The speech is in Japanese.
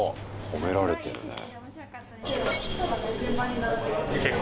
褒められてるね。